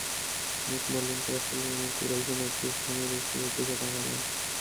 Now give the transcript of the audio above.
মুখ মলিন করে ফেললেন এবং কুরাইশের নেতৃস্থানীয় ব্যক্তিদের দিকে তাকালেন।